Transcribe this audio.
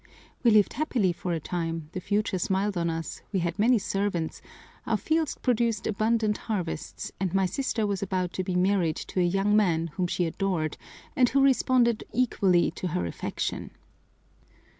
We lived happily for a time, the future smiled on us, we had many servants, our' fields produced abundant harvests, and my sister was about to be married to a young man whom she adored and who responded equally to her affection.